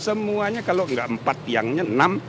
semuanya kalau tidak empat tiangnya